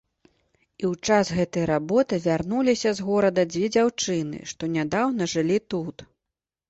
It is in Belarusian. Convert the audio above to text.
І ў час гэтай работы вярнуліся з горада дзве дзяўчыны, што нядаўна жылі тут.